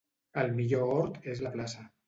El millor hort és la plaça.